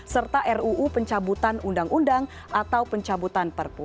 serta ruu pencabutan undang undang atau pencabutan perpu